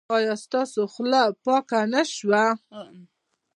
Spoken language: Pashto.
ایا ستاسو خوله به پاکه نه شي؟